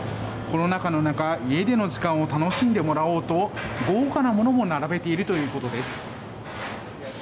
コロナ禍の中、家での時間を楽しんでもらおうと豪華なものを並べているということです。